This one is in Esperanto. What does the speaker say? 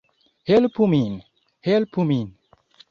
Helpu min! Helpu min!